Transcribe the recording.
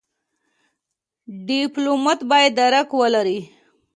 ډيپلومات بايد درک ولري.